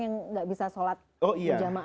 yang nggak bisa sholat berjamaah